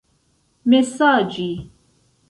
mesaĝi